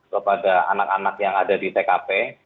kepada anak anak yang ada di tkp